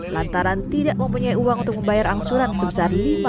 lantaran tidak mempunyai uang untuk membayar aksuran sebesar rp lima